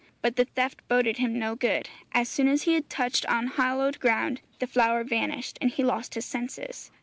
But the theft boded him no good. As soon as he had touched unhallowed ground the flower vanished, and he lost his senses.